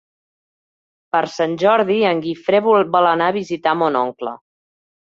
Per Sant Jordi en Guifré vol anar a visitar mon oncle.